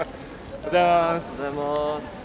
おはようございます。